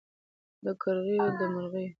د کرغیو د مرغیو